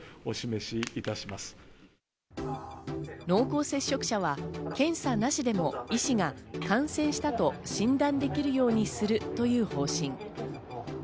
濃厚接触者は検査なしでも医師が感染したと診断できるようにするという方針。